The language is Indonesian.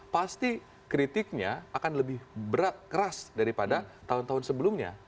pasti kritiknya akan lebih berat keras daripada tahun tahun sebelumnya